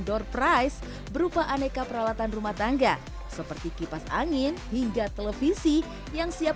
door price berupa aneka peralatan rumah tangga seperti kipas angin hingga televisi yang siap